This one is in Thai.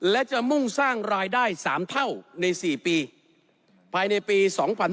และจะมุ่งสร้างรายได้๓เท่าใน๔ปีภายในปี๒๕๕๙